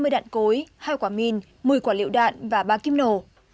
hai mươi đạn cối hai quả mìn một mươi quả liệu đạn và ba kíp nổ